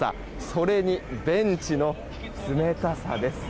それに、ベンチの冷たさです。